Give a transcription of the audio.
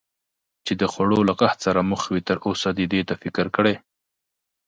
چې د خوړو له قحط سره مخ وي، تراوسه دې دې ته فکر کړی؟